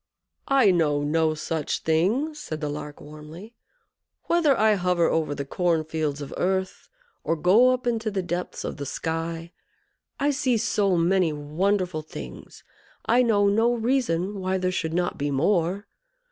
"I know no such thing," said the Lark, warmly. "Whether I hover over the corn fields of earth, or go up into the depths of the sky, I see so many wonderful things, I know no reason why there should not be more.